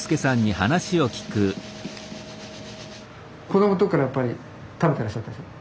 子供の時からやっぱり食べてらっしゃったんですか？